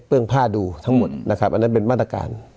คณะเปลื้องพร่าดูทั้งหมดนะครับอันนั้นเป็นมาตรการ